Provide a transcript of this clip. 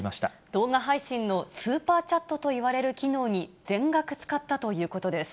動画配信のスーパーチャットといわれる機能に全額使ったということです。